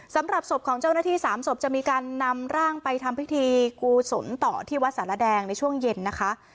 สำหรับศพของเจ้าหน้าที่๓ศพจะมีการนำร่างไปทำพิธีกุศลต่อที่วัดสารแดงในช่วงเย็นนะคะ